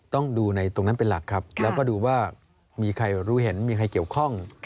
ต้องดูในตรงนั้นเป็นหลักครับแล้วก็ดูว่ามีใครรู้เห็นมีใครเกี่ยวข้อง